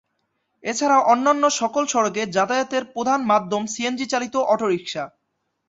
এছাড়া অন্যান্য সকল সড়কে যাতায়াতের প্রধান মাধ্যম সিএনজি চালিত অটোরিক্সা।